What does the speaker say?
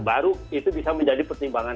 baru itu bisa menjadi pertimbangan